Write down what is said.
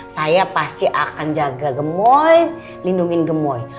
saya pasti akan jaga gemoy lindungi gemoy